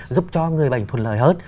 giúp cho người bệnh thuận lời hơn